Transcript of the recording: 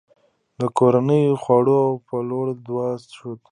د کورنیو خوړو پلورل دود شوي؟